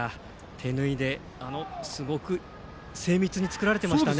手縫いで、すごく精密に作られていましたね。